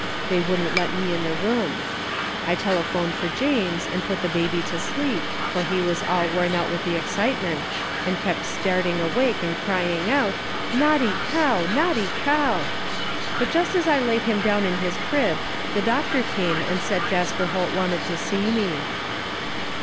They wouldn't let me in the room. I telephoned for James, and put the baby to sleep, for he was all worn out with the excitement, and kept starting awake and crying out, * Naughty cow ! Naughty cow !' but just as I laid him down in his crib the doctor came and said Jasper Holt wanted to see me.